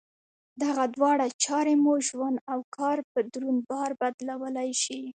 دغه دواړه چارې مو ژوند او کار په دروند بار بدلولای شي.